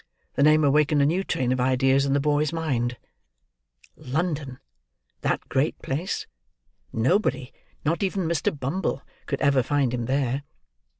The name awakened a new train of ideas in the boy's mind. London!—that great place!—nobody—not even Mr. Bumble—could ever find him there!